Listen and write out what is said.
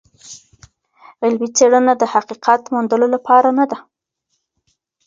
علمي څېړنه د حقیقت موندلو لپاره نده.